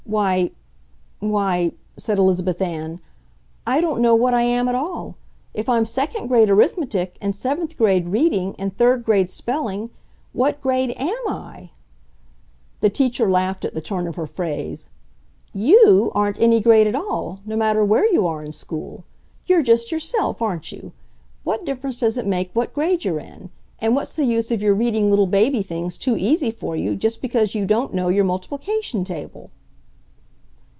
"Why—why," said Elizabeth Ann, "I don't know what I am at all. If I'm second grade arithmetic and seventh grade reading and third grade spelling, what grade AM I?" The teacher laughed at the turn of her phrase. "YOU aren't any grade at all, no matter where you are in school. You're just yourself, aren't you? What difference does it make what grade you're in! And what's the use of your reading little baby things too easy for you just because you don't know your multiplication table?"